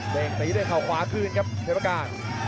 เด้งตีด้วยเข่าขวาคืนครับเพชรประการ